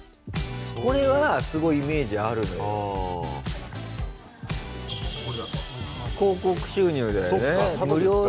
これはすごいイメージあるのよ。